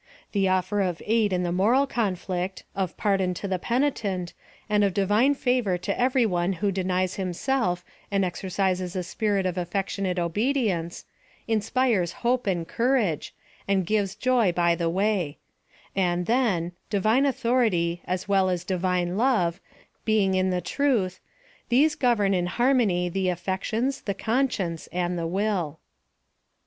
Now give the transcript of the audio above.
The offer of aid in the moral conflict, of pardon to the penitent, and of divine favor to every one who denies himself and exercises a spirit of affectionate obedience, inspires hope and courage, and gives ipy by the way; and, then, Divine Authority, as 18 284 PHILOSOPHY OF THB well as Divine Love, being in the Truth, these gov ern in harmony the affections^ the conscience^ and the will.